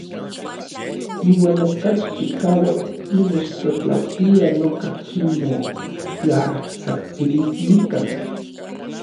Iuan okachi chikauak nimechtlatlautia noka ximotlatsajtsililikan.